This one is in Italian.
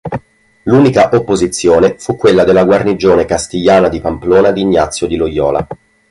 L'unica opposizione fu quella della guarnigione castigliana di Pamplona di Ignazio di Loyola.